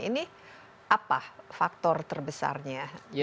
ini apa faktor terbesarnya